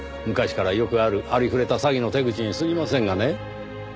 昔からよくあるありふれた詐欺の手口に過ぎませんがね。